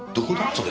それ。